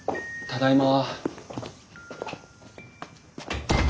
ただいま。